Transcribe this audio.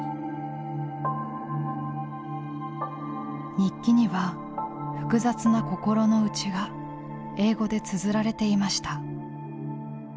日記には複雑な心の内が英語でつづられていました。。